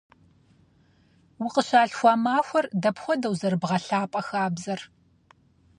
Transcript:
Укъыщалъхуа махуэр дапхуэдэу зэрыбгъэлъапӏэ хабзэр?